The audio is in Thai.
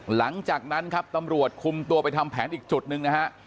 หลังจากนั้นครับตำรวจคุมตัวไปทำแผนอีกจุดหนึ่งนะฮะ